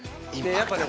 やっぱね